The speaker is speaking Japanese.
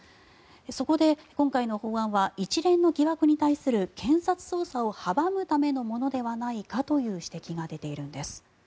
そこで今回の法案は一連の疑惑に対する検察捜査を阻むためのものではないかという指摘が出ているんです。